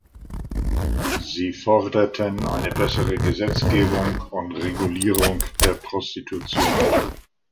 Sie forderten eine bessere Gesetzgebung und Regulierung der Prostitution.